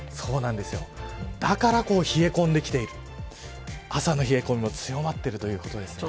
だから、冷え込んできている朝の冷え込みも強まっているということですね。